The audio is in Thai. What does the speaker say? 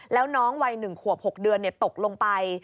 แล้วน้องวัย๑ขวบ๖เดือนตกลงไป